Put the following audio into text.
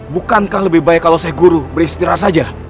bukankah lebih baik kalau saya guru beristirahat saja